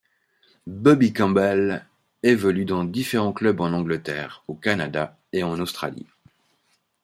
Bobby Campbell évolue dans différents clubs en Angleterre, au Canada et en Australie.